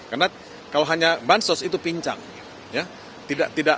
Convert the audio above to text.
karena kalau hanya bahan sos itu pincang ya